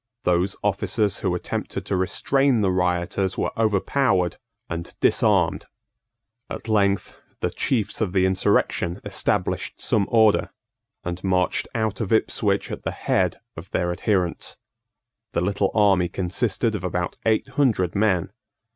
Those officers who attempted to restrain the rioters were overpowered and disarmed. At length the chiefs of the insurrection established some order, and marched out of Ipswich at the head of their adherents. The little army consisted of about eight hundred men.